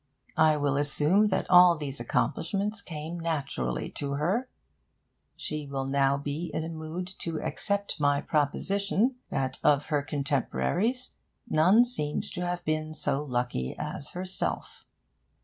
I will assume that all these accomplishments came naturally to her. She will now be in a mood to accept my proposition that of her contemporaries none seems to have been so lucky as herself.